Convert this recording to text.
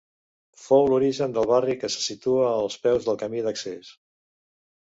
Fou l'origen del barri que se situa als peus del camí d'accés.